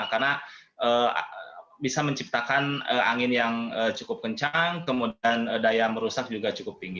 karena bisa menciptakan angin yang cukup kencang kemudian daya merusak juga cukup tinggi